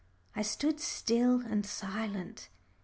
I stood still and silent.